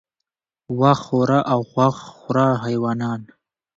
وښ خوره او غوښ خوره حیوانان